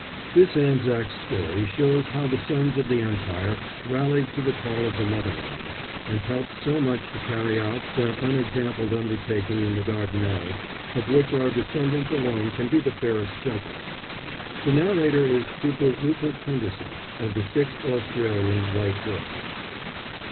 This Anzac's story shows how the sons of the Empire rallied to the call of the Motherland, and helped so much to carry out that unexampled undertaking in the Dardanelles of which our descendants alone can be the fairest judges. The narrator is Trooper Rupert Henderson, of the 6th Australian Light Horse.